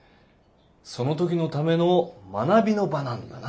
その時のための学びの場なんだな